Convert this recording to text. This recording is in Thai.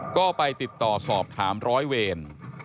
ก็ไปติดต่อสอบถามร้อยเวร